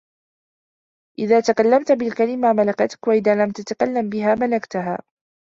إذا تكلمت بالكلمة ملكتك وإذا لم تتكلم بها ملكتها